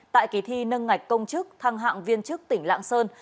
tại kỳ thi nâng ngạch công chức thăng hạng viên chức tỉnh lạng sơn